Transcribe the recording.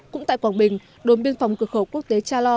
cũng tại quảng bình đồn biên phòng cửa khẩu quốc tế cha lo